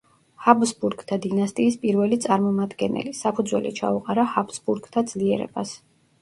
ჰაბსბურგთა დინასტიის პირველი წარმომადგენელი, საფუძველი ჩაუყარა ჰაბსბურგთა ძლიერებას.